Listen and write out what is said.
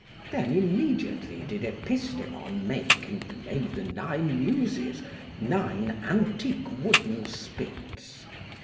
Then immediately did Epistemon make, in the name of the nine Muses, nine antique wooden spits.